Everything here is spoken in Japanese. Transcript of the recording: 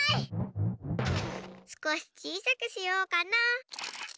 すこしちいさくしようかな。